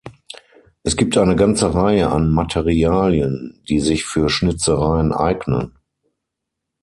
Es gibt eine ganze Reihe an Materialien, die sich für Schnitzereien eignen.